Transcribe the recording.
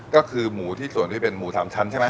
ก็คือหมูที่ส่วนที่เป็นหมู๓ชั้นใช่ไหม